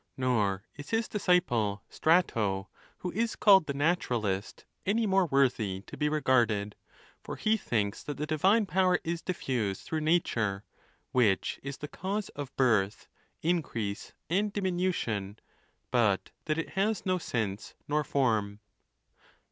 Nor is his disciple Strato, who is called the naturalist, any more worthy to be regarded ; for he thinks that the divine power is diffused through nature, which is the ckuse of birth, increase, and diminution, but that it has no sense nor form.